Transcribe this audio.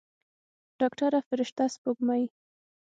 ډاکتره فرشته سپوږمۍ.